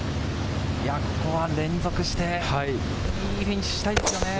ここは連続していいフィニッシュしたいですね。